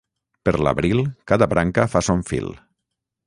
Per l'abril cada branca fa son fil.